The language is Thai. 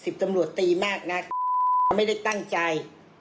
สิบตำรวจตีมากน่ะไม่ได้ตั้งใจ